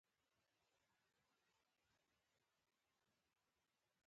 الله حاضر دى چې نه يې راته ځاى معلوم دى.